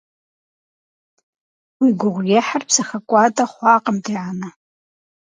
Уи гугъуехьыр псэхэкӀуадэ хъуакъым, ди анэ.